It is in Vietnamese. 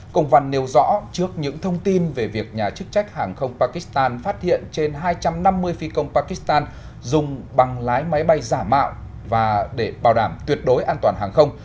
công văn nêu rõ trước những thông tin về việc nhà chức trách hàng không pakistan phát hiện trên hai trăm năm mươi phi công pakistan dùng bằng lái máy bay giả mạo và để bảo đảm tuyệt đối an toàn hàng không